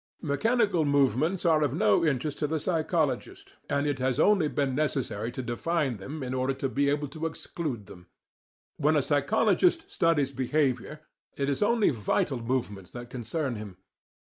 Mechanical movements are of no interest to the psychologist, and it has only been necessary to define them in order to be able to exclude them. When a psychologist studies behaviour, it is only vital movements that concern him.